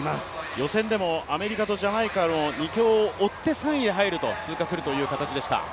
予選でもアメリカとジャマイカの２強を追って３位に入ると通過するという形でした。